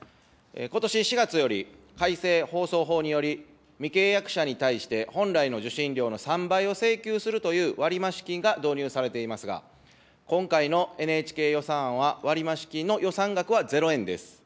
ことし４月より改正放送法により、未契約者に対して、本来の受信料の３倍を請求するという割増金が導入されていますが、今回のＮＨＫ予算案は、割増金の予算額はゼロ円です。